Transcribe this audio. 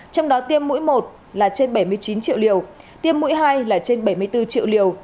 trong đó tiêm mũi một là trên bảy mươi chín triệu liều tiêm mũi hai là trên bảy mươi bốn triệu liều